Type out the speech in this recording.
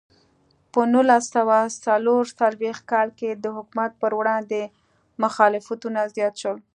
په نولس سوه څلور څلوېښت کال کې د حکومت پر وړاندې مخالفتونه زیات شول.